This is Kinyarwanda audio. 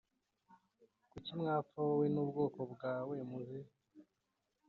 Kuki mwapfa wowe n ubwoko bwawe muzize